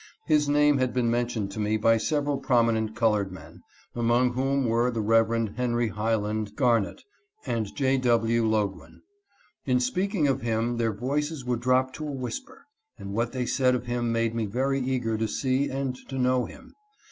His name had been men tioned to me by several prominent colored men, among whom were the Rev. Henry Highland Garnet and J. W. Loguen. In speaking of him their voices would drop to a whisper, and what they said of him made me very eager to see and to know him.